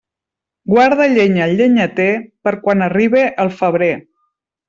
Guarda llenya el llenyater, per quan arribe el febrer.